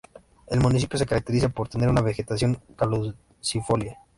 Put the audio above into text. El Municipio se caracteriza por tener una vegetación caducifolia.